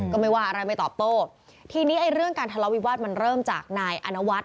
ก็ไม่ว่าอะไรไม่ตอบโต้ทีนี้ไอ้เรื่องการทะเลาวิวาสมันเริ่มจากนายอนวัฒน